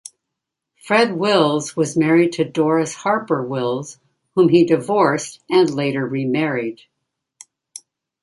Fred Wills was married to Doris Harper-Wills whom he divorced and later remarried.